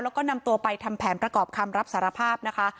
แล้วก็นำตัวไปทำแผนประกอบคำรับสารภาพนะคะ